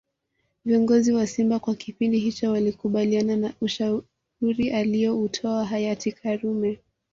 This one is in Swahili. Viongozi wa simba kwa kipindi hicho walikubaliana na ushauri alioutoa hayati karume